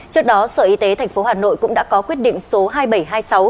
trước đó sở y tế tp hà nội cũng đã có quyết định số hai nghìn bảy trăm hai mươi sáu